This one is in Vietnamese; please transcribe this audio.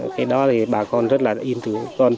cái đó thì bà con rất là yên tư